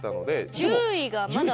１０位がまだ。